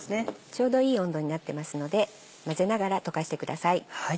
ちょうどいい温度になってますので混ぜながら溶かしてください。